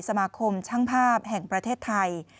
สมาคมช่างภาพแห่งประเทศไทย